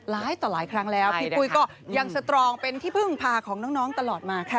ต่อหลายครั้งแล้วพี่ปุ้ยก็ยังสตรองเป็นที่พึ่งพาของน้องตลอดมาค่ะ